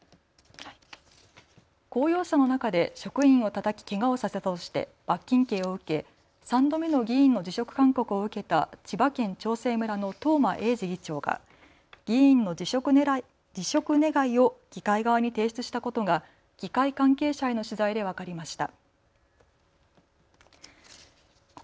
公用車の中で職員をたたきけがをさせたとして罰金刑を受け３度目の議員の辞職勧告を受けた千葉県長生村の東間永次議長が議員の辞職願を議会側に提出したことが議会関係者への取材で分かりました。